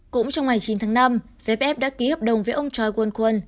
cũng trong ngày chín tháng năm vff đã ký hợp đồng với ông choi kwon kwon